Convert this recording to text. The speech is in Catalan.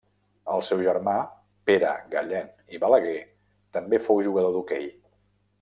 El seu germà Pere Gallén i Balaguer també fou jugador d'hoquei.